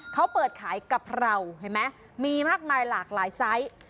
เขาเปิดขายกะเพราเห็นไหมมีมากมายหลากหลายไซส์